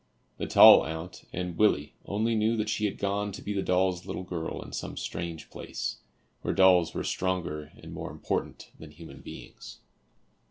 The tall aunt and Willie only knew that she had gone to be the doll's little girl in some strange place, where dolls were stronger and more important than human beings.